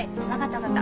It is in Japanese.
分かった？